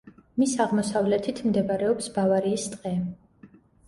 მის აღმოსავლეთით მდებარეობს ბავარიის ტყე.